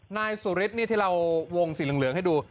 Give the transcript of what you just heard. นายสุรินนี่ที่เราวงสีเหลืองให้ดู